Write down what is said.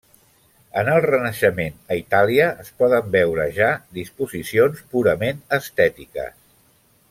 En el Renaixement a Itàlia es poden veure ja disposicions purament estètiques.